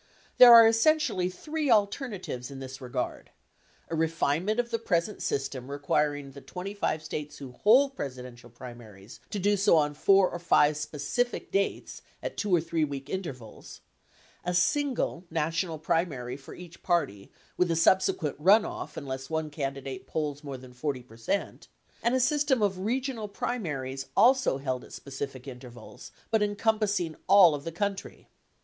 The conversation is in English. There are essentially three alternatives in this regard : a refinement of the present system requiring the 25 States who hold Presidential primaries to do so on four or five specific dates at 2 or 3 week intervals; a single national primary for each party with a subsequent runoff unless one candidate polls more than 40 percent ; and a system of regional primaries also held at specific intervals, but encompassing all of the country.